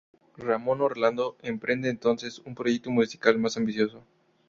Ramón Orlando emprende entonces un proyecto musical más ambicioso.